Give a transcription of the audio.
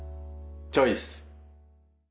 チョイス！